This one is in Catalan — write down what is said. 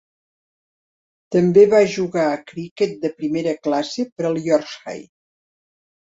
També va jugar a criquet de primera classe per al Yorkshire.